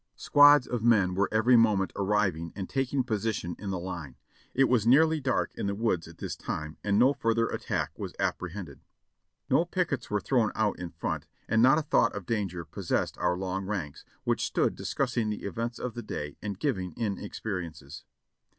Squads of men were every moment arriving and taking position in the line. It was nearly dark in the woods at this time, and no further attack was apprehended. No pickets were thrown out in front, and not a 544 joh:siny reb and billy yank thought of danger possessed our long ranks, which stood discuss ing the events of the day and giving in experiences.